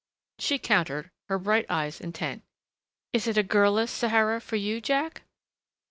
She countered, her bright eyes intent, "Is it a girl less Sahara for you, Jack?"